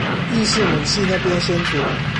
亦是母系那邊先祖